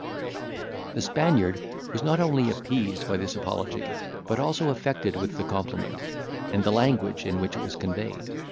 The Spaniard was not only appeased by this apology, but also affected with the compliment, and the language in which it was conveyed.